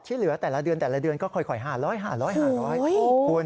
ที่เหลือแต่ละเดือนแต่ละเดือนก็ค่อย๕๐๐๕๐๐คุณ